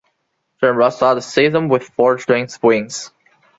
Ginebra started the season with four straight wins.